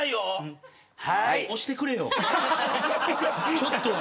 ちょっとは。